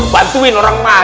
bantuin orang mah